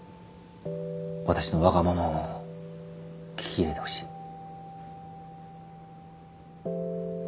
私のわがままを聞き入れてほしい。